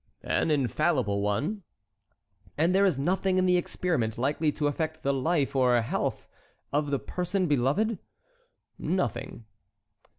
"An infallible one." "And there is nothing in the experiment likely to affect the life or health of the person beloved?" "Nothing."